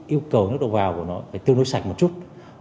yêu cầu nước đầu vào của nó phải tương đối sạch một chút